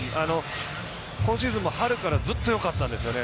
今シーズンも春からずっとよかったんですよね。